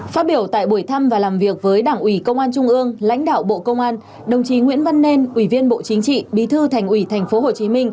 phát biểu tại buổi thăm và làm việc với đảng ủy công an trung ương lãnh đạo bộ công an đồng chí nguyễn văn nên ủy viên bộ chính trị bí thư thành ủy tp hcm